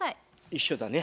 一緒だね。